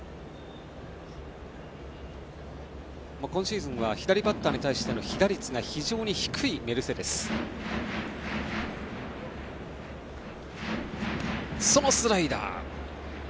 今シーズンは左バッターに対しての被打率が非常に低いメルセデス。